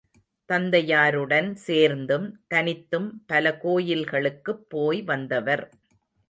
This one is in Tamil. தந்தையாருடன் சேர்ந்தும், தனித்தும் பல கோயில்களுக்குப் போய் வந்தவர்.